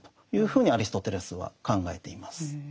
ふうにアリストテレスは考えています。